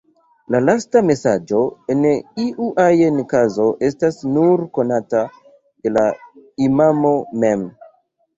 La lasta mesaĝo en iu ajn kazo estas nur konata de la imamo mem.